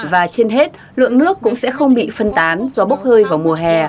và trên hết lượng nước cũng sẽ không bị phân tán do bốc hơi vào mùa hè